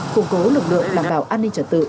củng cố lực lượng đảm bảo an ninh trật tự